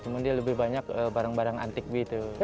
cuman dia lebih banyak barang barang antik gitu